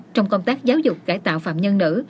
trong công tác giáo dục cải tạo phạm nhân nữ